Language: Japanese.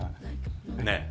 ねえ。